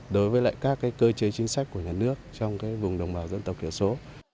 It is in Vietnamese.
đối với các cơ chế chính sách của nhà nước trong vùng đồng bào dân tộc thiểu số